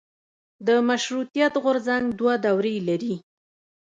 د مشروطیت غورځنګ دوه دورې لري.